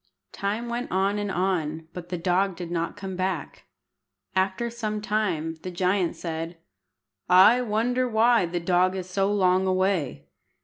Time went on and on, but the dog did not come back. After some time the giant said "I wonder why the dog is so long away.